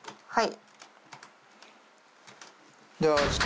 はい。